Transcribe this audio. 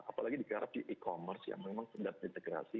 apalagi dikarenakan e commerce yang memang pendat integrasi